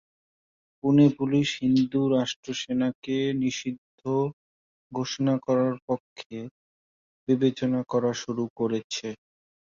Pune police Hindu Rashtra Sena কে নিষিদ্ধ ঘোষণা করার পক্ষে বিবেচনা শুরু করেছে।